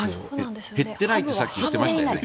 減ってないってさっき言っていましたよね。